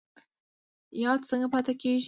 یاد څنګه پاتې کیږي؟